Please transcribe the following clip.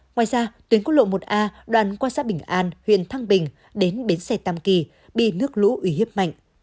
ngoài ra tuyến quốc lộ một a đoàn quan sát bình an huyện thăng bình đến bến xe tam kỳ bị nước lũ uy hiếp mạnh